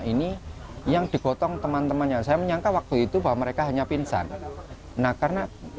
ini yang digotong teman temannya saya menyangka waktu itu bahwa mereka hanya pingsan nah karena